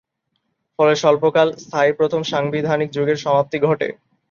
ফলে স্বল্পকাল স্থায়ী প্রথম সাংবিধানিক যুগের সমাপ্তি ঘটে।